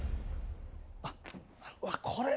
あっこれ。